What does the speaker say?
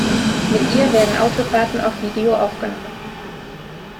Mit ihr werden Autofahrten auf Video aufgenommen.